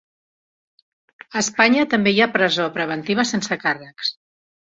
A Espanya també hi ha presó preventiva sense càrrecs.